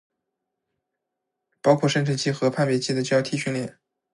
包括生成器和判别器的交替训练